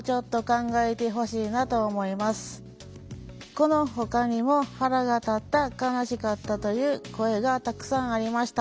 このほかにも「腹が立った」「悲しかった」という声がたくさんありました。